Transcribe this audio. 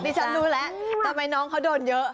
ฉันรู้แล้วทำไมน้องเขาโดนเยอะ